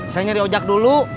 saya nyari ojak dulu